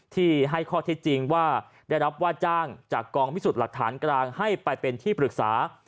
ที่ให้ข้อเท็จจริงว่าได้รับว่าจ้างจากกองพิสูจน์หลักฐานกลางให้ไปเป็นที่ปรึกษา